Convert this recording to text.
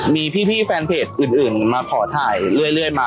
มีพี่แฟนเพจอื่นมาขอถ่ายเรื่อยมา